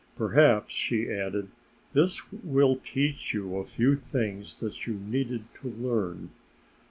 "Perhaps," she added, "this will teach you a few things that you needed to learn....